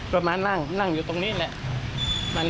ก็มานั่งอยู่ตรงนี้เลย